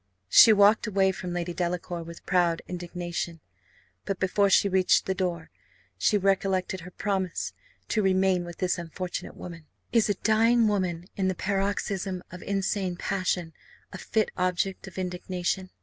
She walked away from Lady Delacour with proud indignation; but, before she reached the door, she recollected her promise to remain with this unfortunate woman. Is a dying woman, in the paroxysm of insane passion, a fit object of indignation?